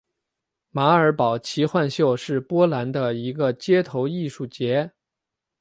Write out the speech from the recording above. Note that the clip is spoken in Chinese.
马尔堡奇幻秀是波兰的一个街头艺术节。